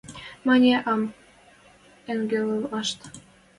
Мӹньӹ ам ынгылы вашт.